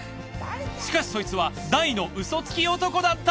しかしソイツは大のウソつき男だった。